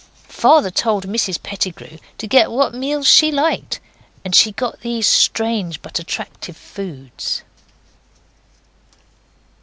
Father told Mrs Pettigrew to get what meals she liked, and she got these strange but attractive foods.